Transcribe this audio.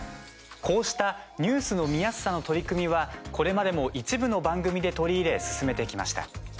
こうしたニュースの見やすさの取り組みはこれまでも一部の番組で取り入れ進めてきました。